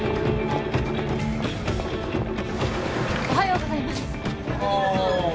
おはようございます・